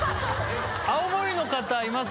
青森の方います？